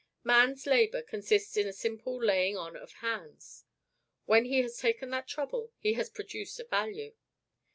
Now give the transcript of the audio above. Man's labor consists in a simple laying on of hands. When he has taken that trouble, he has produced a value.